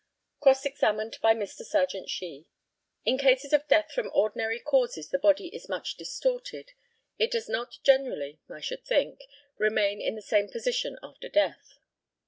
Cross examined by Mr. Serjeant SHEE: In cases of death from ordinary causes the body is much distorted. It does not generally, I should think, remain in the same position after death.